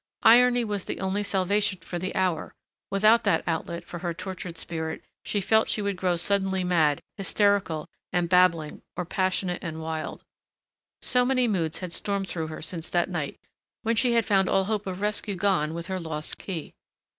Irony was the only salvation for the hour; without that outlet for her tortured spirit she felt she would grow suddenly mad, hysterical and babbling or passionate and wild. So many moods had stormed through her since that night when she had found all hope of rescue gone with her lost key!